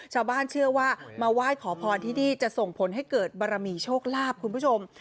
ชาวบ้านเชื่อว่ามาไหว้ขอพรที่นี่จะส่งผลให้เกิดบารมีโชคลาภคุณผู้ชม